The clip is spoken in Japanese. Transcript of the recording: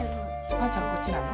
あーちゃんこっちなの？